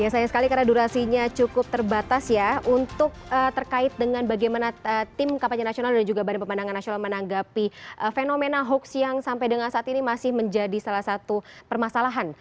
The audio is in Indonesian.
ya saya sekali karena durasinya cukup terbatas ya untuk terkait dengan bagaimana tim kpn dan juga bpn menanggapi fenomena hoaks yang sampai dengan saat ini masih menjadi salah satu permasalahan